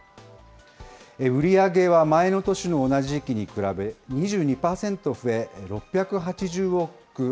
売り上げは前の年の同じ時期に比べ、２２％増え、６８０億１１００万